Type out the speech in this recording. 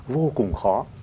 vô cùng khó